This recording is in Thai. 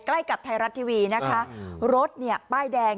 ใกล้กับไทยรัฐทีวีนะคะรถเนี่ยป้ายแดง